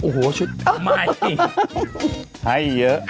ให้เยอะ